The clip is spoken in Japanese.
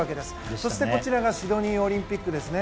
そしてシドニーオリンピックですね。